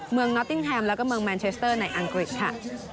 นอติ้งแฮมแล้วก็เมืองแมนเชสเตอร์ในอังกฤษค่ะ